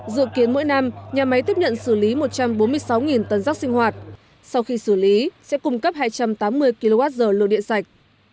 dự kiến mỗi năm nhà máy tiếp nhận xử lý một trăm bốn mươi sáu tấn rác sinh hoạt sau khi xử lý sẽ cung cấp hai trăm tám mươi kwh lượng điện sạch